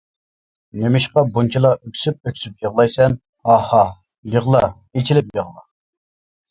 نېمىشقا بۇنچىلا ئۆكسۈپ-ئۆكسۈپ يىغلايسەن؟ ھا. ھا. يىغلا، ئېچىلىپ يىغلا!